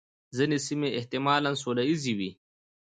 ځینې سیمې احتمالاً سوله ییزې وې.